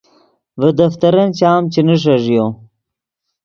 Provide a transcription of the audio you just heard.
ڤے دفترن چام چے نیݰݱیو